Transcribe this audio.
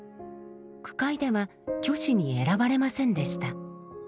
句会では虚子に選ばれませんでした。